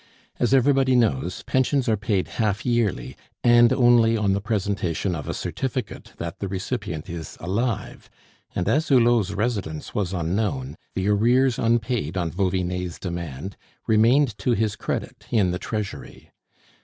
As everybody knows, pensions are paid half yearly, and only on the presentation of a certificate that the recipient is alive: and as Hulot's residence was unknown, the arrears unpaid on Vauvinet's demand remained to his credit in the Treasury.